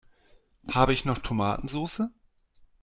Habe ich noch Tomatensoße?